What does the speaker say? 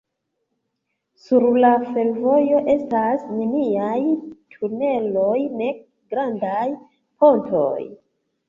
Sur la fervojo estas neniaj tuneloj nek grandaj pontoj.